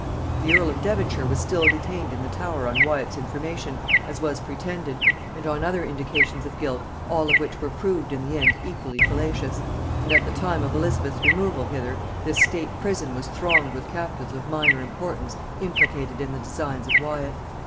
The earl of Devonshire was still detained in the Tower on Wyat's information, as was pretended, and on other indications of guilt, all of which were proved in the end equally fallacious: and at the time of Elizabeth's removal hither this state prison was thronged with captives of minor importance implicated in the designs of Wyat.